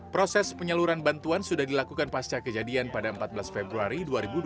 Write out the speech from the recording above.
proses penyaluran bantuan sudah dilakukan pasca kejadian pada empat belas februari dua ribu dua puluh